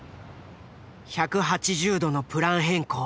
１８０度のプラン変更。